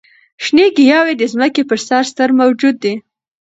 شنې ګیاوې د ځمکې پر سر ستر موجود دي.